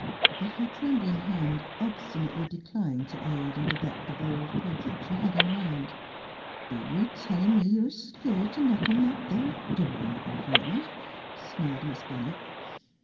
But her trembling hand obstinately declined to aid and abet the bold project she had in mind. " Be you tellin' me you're skeered t' knock on that there door, Malvina?" sneered Miss Ben nett.